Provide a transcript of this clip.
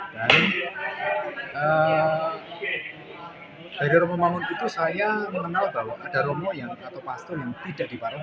dan dari rumah rumah itu saya mengenal bahwa ada rumah atau pastor yang tidak diparuhi